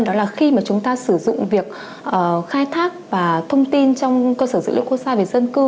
đó là khi mà chúng ta sử dụng việc khai thác và thông tin trong cơ sở dữ liệu quốc gia về dân cư